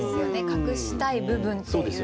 隠したい部分っていう。